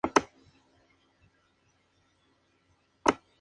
Su hábitat natural son los bosques y zonas de matorral de montaña.